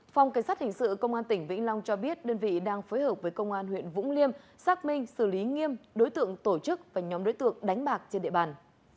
phòng cảnh sát hình sự công an tỉnh vĩnh long cho biết đơn vị đang phối hợp với công an huyện vũng liêm xác minh xử lý nghiêm đối tượng tổ chức và nhóm đối tượng đánh bạc trên địa bàn